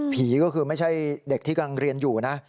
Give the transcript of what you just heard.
ก็คือไม่ใช่เด็กที่กำลังเรียนอยู่นะ